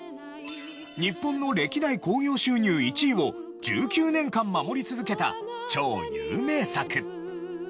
日本の歴代興行収入１位を１９年間守り続けた超有名作。